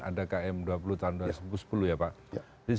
ada km dua puluh tahun dua ribu sepuluh ya pak